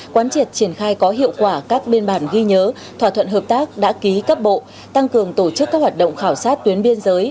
quán triệt triển khai có hiệu quả các biên bản ghi nhớ thỏa thuận hợp tác đã ký cấp bộ tăng cường tổ chức các hoạt động khảo sát tuyến biên giới